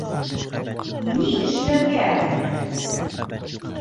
Ни эшләргә?..